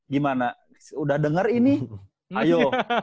gimana udah denger ini ayo